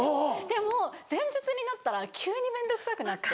でも前日になったら急に面倒くさくなって。